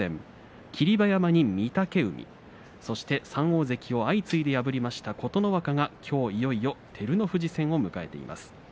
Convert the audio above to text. ３大関を相次いで破りました琴ノ若がきょういよいよ照ノ富士戦を迎えています。